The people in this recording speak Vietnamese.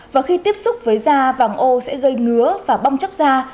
và khi tiếp xúc với da vàng ô sẽ gây ngứa và bong chóc da